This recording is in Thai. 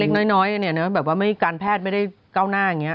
เล็กน้อยเนี่ยนะแบบว่าไม่การแพทย์ไม่ได้ก้าวหน้าอย่างนี้